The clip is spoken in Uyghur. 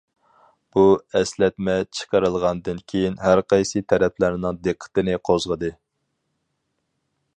بۇ ئەسلەتمە چىقىرىلغاندىن كېيىن، ھەرقايسى تەرەپلەرنىڭ دىققىتىنى قوزغىدى.